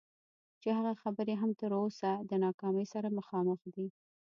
چې هغه خبرې هم تر اوسه د ناکامۍ سره مخامخ دي.